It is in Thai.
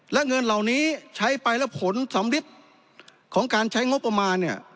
และเงินเหล่านี้ใช้ไปแล้วผลสำริดของการใช้งบประมาณเนี่ย